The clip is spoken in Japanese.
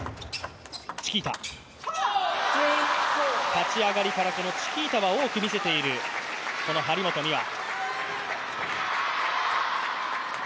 立ち上がりからチキータを多く見せている張本美和。